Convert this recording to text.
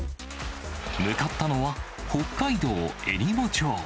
向かったのは、北海道えりも町。